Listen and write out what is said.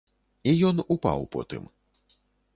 І ён упаў потым.